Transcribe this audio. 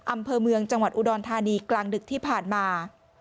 อำเภอเมืองจังหวัดอุดรธานีกลางดึกที่ผ่านมา